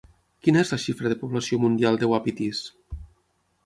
Quina és la xifra de població mundial de uapitís?